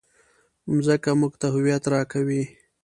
مځکه موږ ته هویت راکوي.